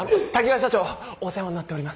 社長お世話になっております。